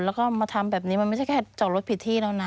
แล้วก็มาทำแบบนี้มันไม่ใช่แค่จอดรถผิดที่แล้วนะ